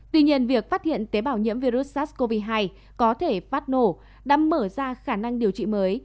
tuy nhiên việc phát hiện tế bào nhiễm virus sars cov hai có thể phát nổ đã mở ra khả năng điều trị mới